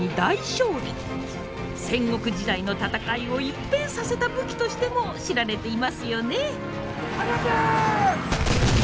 戦国時代の戦いを一変させた武器としても知られていますよね。